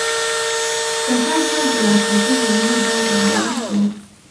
د هر فرد د لاسرسي زمینه باید برابره کړو.